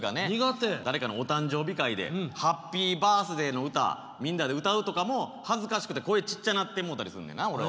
誰かのお誕生日会で「ハッピーバースデー」の歌みんなで歌うとかも恥ずかしくて声ちっちゃなってもうたりすんねんな俺は。